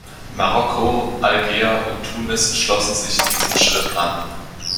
Marokko, Algier und Tunis schlossen sich diesem Schritt an.